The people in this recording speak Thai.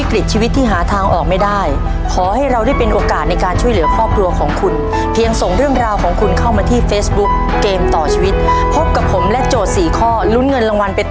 ขอให้มีแต่สิ่งดีเข้ามาขอบคุณมากครับทุกคนนะครับ